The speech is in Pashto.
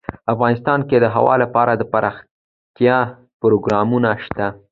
افغانستان کې د هوا لپاره دپرمختیا پروګرامونه شته.